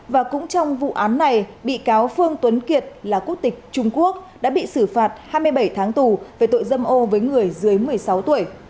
và cũng trong vụ án này bị cáo phương tuấn kiệt là quốc tịch trung quốc đã bị xử phạt hai mươi bảy tháng tù về tội dâm ô với người dưới một mươi sáu tuổi